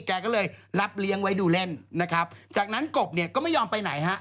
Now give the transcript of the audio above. แกก็เลยรับเลี้ยงไว้ดูเล่นนะครับจากนั้นกบเนี่ยก็ไม่ยอมไปไหนฮะ